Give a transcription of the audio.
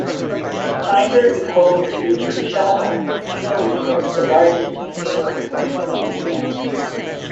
Kinder is home to Coushatta Casino Resort, the largest casino resort in Louisiana.